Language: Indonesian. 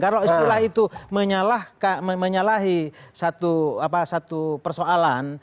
kalau istilah itu menyalahi satu persoalan